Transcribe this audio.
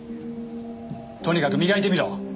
とにかく磨いてみろ。